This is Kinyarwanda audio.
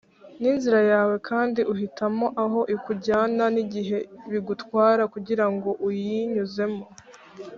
ninzira yawe kandi uhitamo aho ikujyana nigihe bigutwara kugirango uyinyuzemo.